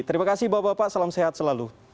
terima kasih bapak bapak salam sehat selalu